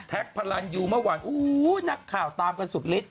แท็กพารันอยู่เมื่อวันนักข่าวตามกันสุดฤทธิ์